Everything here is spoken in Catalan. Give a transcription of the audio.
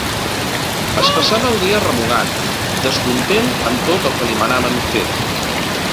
Es passava el dia remugant, descontent amb tot el que li manaven fer.